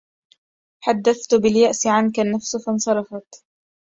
حدثت باليأس عنك النفس فانصرفت